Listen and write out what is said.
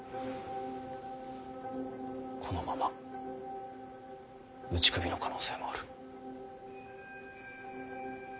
このまま打ち首の可能性もある。